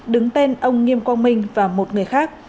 đứng tên ông nghiêm quang minh và một người khác